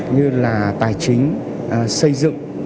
như là tài chính xây dựng